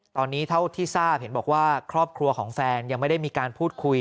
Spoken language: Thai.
ตอนนี้เท่าที่ทราบเห็นบอกว่าครอบครัวของแฟนยังไม่ได้มีการพูดคุย